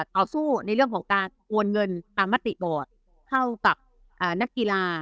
ต่อสู้ในเรื่องของการโอนเงินตามมติบอร์ดเท่ากับนักกีฬา